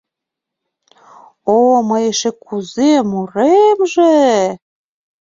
— О-о, мый эше кузе муремже!..